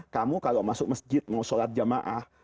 kamu kalau masuk masjid mau sholat jamaah